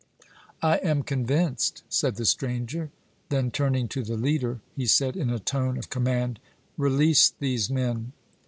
"I am convinced," said the stranger. Then, turning to the leader, he said, in a tone of command: "Release these men!"